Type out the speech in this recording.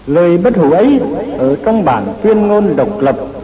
lời bất hủ ấy ở trong bản tuyên ngôn độc lập